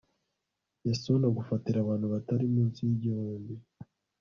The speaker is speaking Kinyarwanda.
yasoni agufatira abantu batari mu nsi y'igihumbi